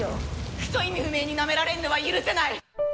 クソ意味不明になめられるのは許せない！